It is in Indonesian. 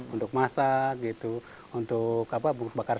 untuk masak untuk bakar sate dan sebagainya